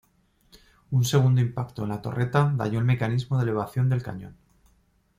Un segundo impacto en la torreta dañó el mecanismo de elevación del cañón.